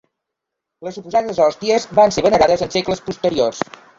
Les suposades hòsties van ser venerades en segles posteriors.